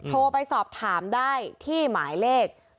โทรไปสอบถามได้ที่หมายเลข๐๙๓๒๓๐๗๑๑๑